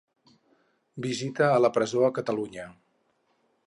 Visita a la presó a Catalunya.